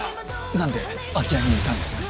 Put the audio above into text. なんで空き家にいたんですか？